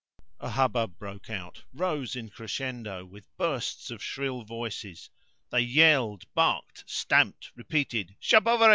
A hubbub broke out, rose in crescendo with bursts of shrill voices (they yelled, barked, stamped, repeated "Charbovari!